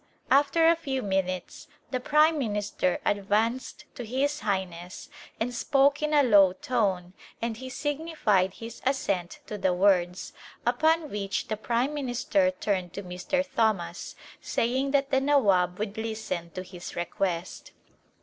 After a few minutes the prime minister advanced to His Highness and spoke in a low tone and he signi fied his assent to the words, upon which the prime minister turned to Air. Thomas, saying that the Nawab would listen to his request.